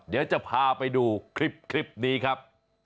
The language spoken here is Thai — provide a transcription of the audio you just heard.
เดี๋ยวจะพาไปดูคลิปนี้ครับ